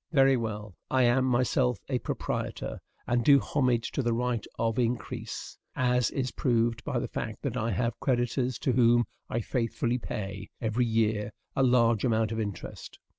Very well; I am myself a proprietor and do homage to the right of increase, as is proved by the fact that I have creditors to whom I faithfully pay, every year, a large amount of interest.